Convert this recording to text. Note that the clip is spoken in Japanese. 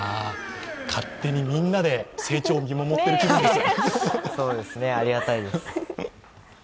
勝手にみんなで成長を見守っている気分です。